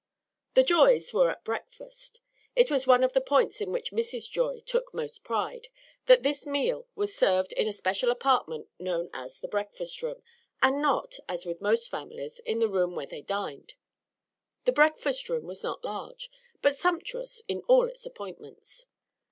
The Joys were at breakfast. It was one of the points in which Mrs. Joy took most pride, that this meal was served in a special apartment known as the breakfast room, and not, as with most families, in the room where they dined. The breakfast room was not large, but sumptuous in all its appointments.